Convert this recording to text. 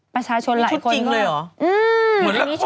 ประชาชนหลายคนก็มีชุดจริงเลยเหรอ